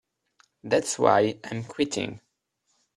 That's why I'm quitting.